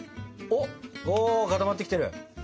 お固まってきてる！